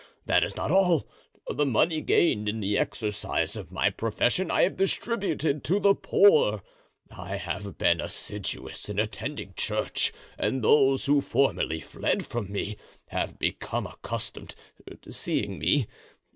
That is not all; the money gained in the exercise of my profession I have distributed to the poor; I have been assiduous in attending church and those who formerly fled from me have become accustomed to seeing me.